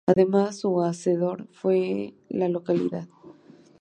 Además su hacedor se fue de la localidad.